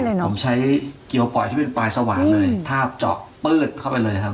ผมใช้เกียวปล่อยที่เป็นปลายสว่างเลยทาบเจาะปื๊ดเข้าไปเลยครับ